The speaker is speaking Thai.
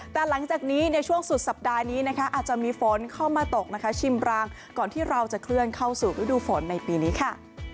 แต่หลังจากนี้ในช่วงสุดสัปดาห์นี้นะคะอาจจะมีฝนเข้ามาตกนะคะชิมรางก่อนที่เราจะเคลื่อนเข้าสู่ฤดูฝนในปีนี้ค่ะ